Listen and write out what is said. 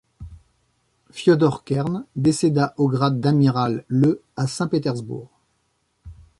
Fiodor Kern décéda au grade d'amiral le à Saint-Pétersbourg.